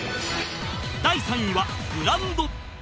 第３位は「ブランド」